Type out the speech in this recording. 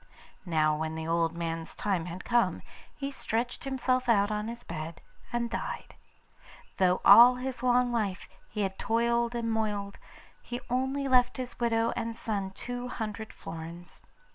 Now when the old man's time had come, he stretched himself out on his bed and died. Though all his life long he had toiled and moiled, he only left his widow and son two hundred florins.